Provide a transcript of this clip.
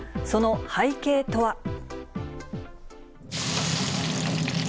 その背景とは。